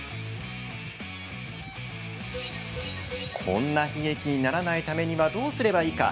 こんな悲劇にならないためにはどうすればいいか。